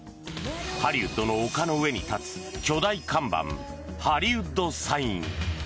ハリウッドの丘の上に立つ巨大看板、ハリウッド・サイン。